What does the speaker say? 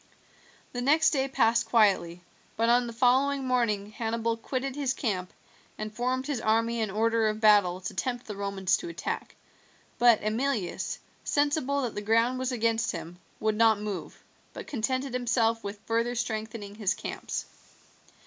The next day passed quietly, but on the following morning Hannibal quitted his camp and formed his army in order of battle to tempt the Romans to attack; but Emilius, sensible that the ground was against him, would not move, but contented himself with further strengthening his camps.